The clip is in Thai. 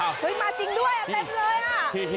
เฮ้ยมาจริงด้วยอันเต็มเลย